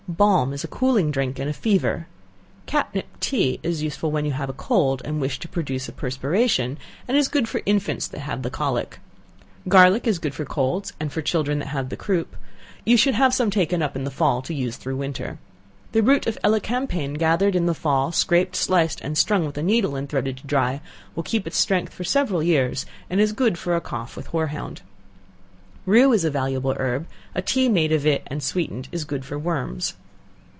Balm is a cooling drink in a fever. Catnip tea is useful when you have a cold, and wish to produce a perspiration, and is good for infants that have the colic. Garlic is good for colds, and for children that have the croup; you should have some taken up in the fall to use through the winter. The root of elecampane gathered in the fall, scraped, sliced, and strung with a needle and thread to dry, will keep its strength for several years, and is useful for a cough with hoarhound. Rue is a valuable herb, a tea made of it and sweetened is good for worms.